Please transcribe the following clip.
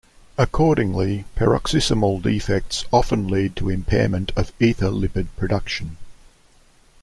Accordingly, peroxisomal defects often lead to impairment of ether-lipid production.